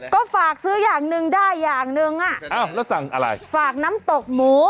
ก็ฝากซื้ออย่างหนึ่งได้อย่างหนึ่งอ่ะอ้าวแล้วสั่งอะไรฝากน้ำตกหมู